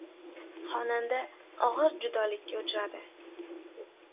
Xonanda ogʻir judolikka uchradi.